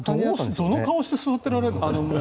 どの顔して座ってられるんだろう。